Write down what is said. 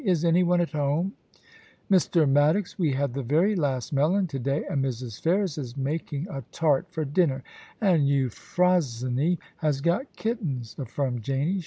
* Is anyone at home P * Mr. Maddox, we had the very last melon to day, and Mrs. Ferris is making a tart for dinner ; and Euphrosyne has got kittens,' affirmed Janie.